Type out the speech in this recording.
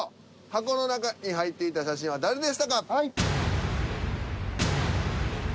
箱の中に入っていた写真は誰でしたか？